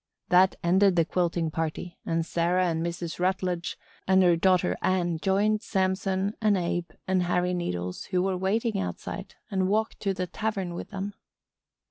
That ended the quilting party and Sarah and Mrs. Rutledge and her daughter Ann joined Samson and Abe and Harry Needles who were waiting outside and walked to the tavern with them.